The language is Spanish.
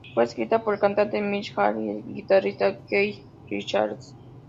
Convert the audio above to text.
Fue escrita por el cantante Mick Jagger y el guitarrista Keith Richards.